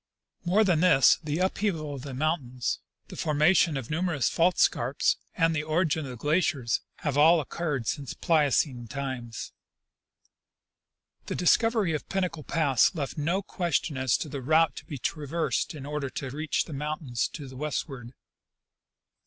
More than this, the upheaval of the mountains, the formation of numerous fault scarpfe, and the origin of the glaciers, have all o"ccurred since Pliocene times. The discovery of Pinnacle pass left no question as to the route to be traversed in order to reach the mountains to the westward.